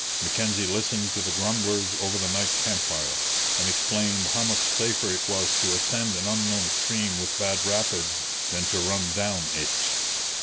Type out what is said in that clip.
Mackenzie listened to the grumblers over the night camp fire, and explained how much safer it was to ascend an unknown stream with bad rapids than to run down it.